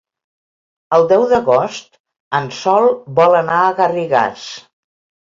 El deu d'agost en Sol vol anar a Garrigàs.